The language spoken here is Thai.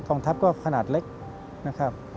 องทัพก็ขนาดเล็กนะครับ